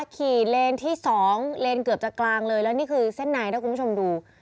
ขี่เลนส์ที่สองเลนส์เกือบจะกลางเลยแล้วนี่คือเส้นไหนนะคุณผู้ชมดู